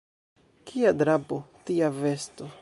Kia drapo, tia vesto.